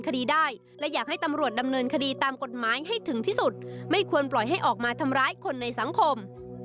กฎหมายให้ถึงที่สุดไม่ควรปล่อยให้ออกมาทำร้ายคนในสังคม